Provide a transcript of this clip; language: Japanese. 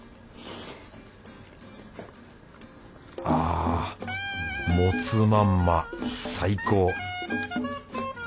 あもつまんま最高！